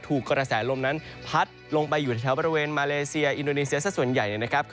กระแสลมนั้นพัดลงไปอยู่ในแถวบริเวณมาเลเซียอินโดนีเซียสักส่วนใหญ่นะครับ